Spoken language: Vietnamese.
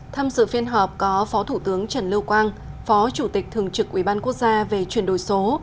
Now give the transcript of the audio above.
tham dự phiên họp có phó thủ tướng trần lưu quang phó chủ tịch thường trực ủy ban quốc gia về chuyển đổi số